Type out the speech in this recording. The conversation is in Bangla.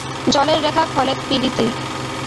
জলের রেখা, খলের পিরিতি।